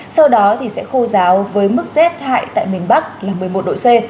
sau đó thì sẽ khô ráo với mức z hại tại miền bắc là một mươi một độ c